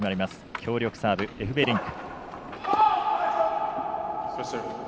強力サーブエフベリンク。